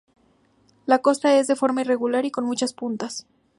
La costa es de forma irregular y con muchas puntas.